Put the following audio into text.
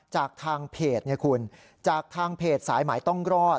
จากทางเพจเนี่ยคุณจากทางเพจสายหมายต้องรอด